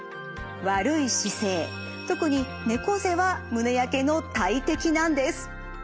悪い姿勢特に猫背は胸やけの大敵なんです。